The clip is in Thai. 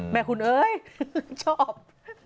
แม่คุณเอ๋ยชอบ